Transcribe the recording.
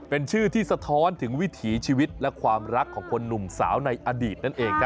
เป็นชื่อที่สะท้อนถึงวิถีชีวิตและความรักของคนหนุ่มสาวในอดีตนั่นเอง